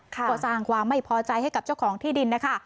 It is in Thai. ก็สร้างความไม่พอใจให้กับเจ้าของที่ดินนะคะ